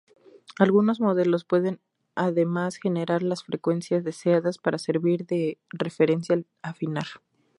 Algunos modelos pueden además generar las frecuencias deseadas, para servir de referencia al afinar.